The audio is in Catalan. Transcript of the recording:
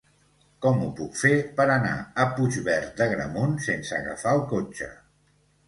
Com ho puc fer per anar a Puigverd d'Agramunt sense agafar el cotxe?